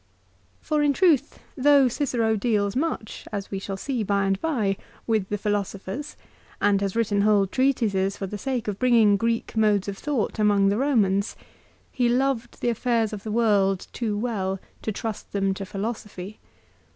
3 For, in truth, though Cicero deals much, as we shall see by and by, with the philosophers, and has written whole treatises for the sake of bringing Greek modes of thought among the Eornans, he loved the affairs of the world too well to trust them to philosophy.